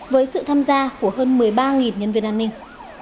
với sự tham gia của hơn một mươi ba nhân viên an ninh